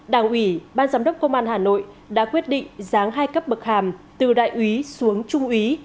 đảng ủy ban giám đốc công an hà nội đã quyết định giáng hai cấp bậc hàm từ đại úy xuống trung úy